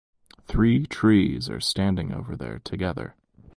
Three trees are standing over there together.